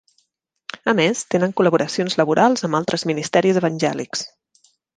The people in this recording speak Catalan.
A més, tenen col·laboracions laborals amb altres ministeris evangèlics.